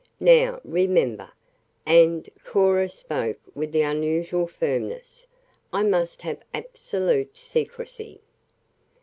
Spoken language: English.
Now remember!" and Cora spoke with unusual firmness; "I must have absolute secrecy."